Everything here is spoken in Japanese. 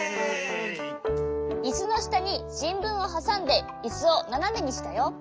イスのしたにしんぶんをはさんでイスをななめにしたよ。